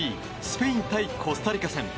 スペイン対コスタリカ戦。